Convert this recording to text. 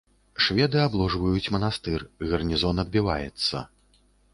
Шведы абложваюць манастыр, гарнізон адбіваецца.